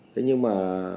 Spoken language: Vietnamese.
thế nhưng mà